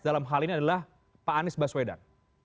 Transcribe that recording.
dalam hal ini adalah pak anies baswedan